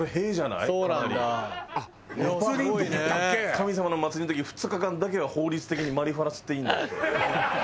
神様の祭りの時２日間だけは法律的にマリファナ吸っていいんだって。